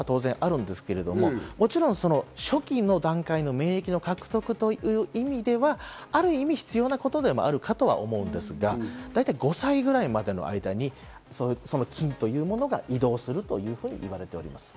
お口の中から移っていくということ当然あるんですけど、当然、初期の段階の免疫の獲得という意味ではある意味必要なことでもあるかとは思うんですが、だいたい５歳ぐらいまでの間に菌というものが移動するということも言われております。